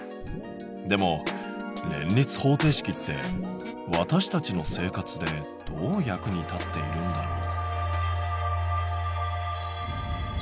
でも連立方程式って私たちの生活でどう役に立っているんだろう？